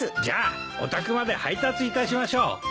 じゃあお宅まで配達いたしましょう。